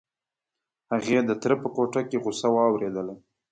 هغې د تره په کوټه کې غوسه واورېدله.